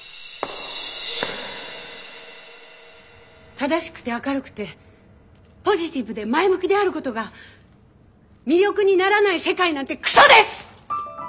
正しくて明るくてポジティブで前向きであることが魅力にならない世界なんてくそです！